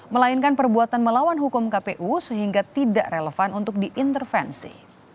melainkan perbuatan melawan hukum kpu sehingga tidak relevan untuk diintervensi